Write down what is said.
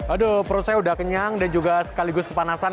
aduh perut saya udah kenyang dan juga sekaligus kepanasan